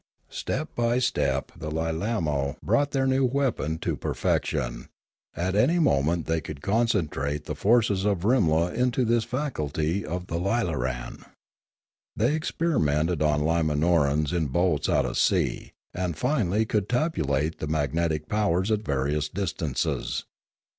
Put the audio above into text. Step by step the Lilamo . brought their new weapon to perfection ; at any mo ment they could concentrate the forces of Rimla into this faculty of the lilaran. They experimented on Limanorans in boats out at sea, and finally could tabu late the magnetic powers at various distances.